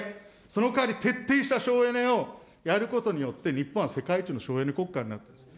そのかわり徹底した省エネをやることによって、日本は世界一の省エネ国家になったんです。